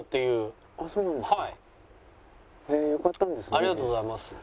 ありがとうございます。